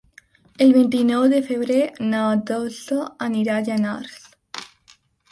El vint-i-nou de febrer na Dolça anirà a Llanars.